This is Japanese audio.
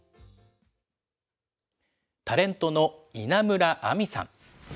タレントの稲村亜美さん。